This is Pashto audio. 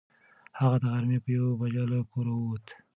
هغه د غرمې په یوه بجه له کوره ووت.